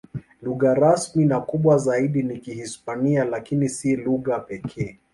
Lugha rasmi na kubwa zaidi ni Kihispania, lakini si lugha pekee.